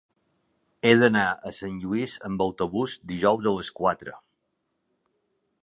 He d'anar a Sant Lluís amb autobús dijous a les quatre.